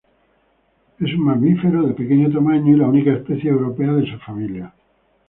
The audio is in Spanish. Es un mamífero de pequeño tamaño y la única especie europea de su familia.